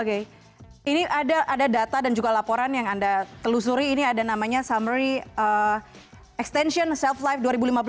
oke ini ada data dan juga laporan yang anda telusuri ini ada namanya summary extension self life dua ribu lima belas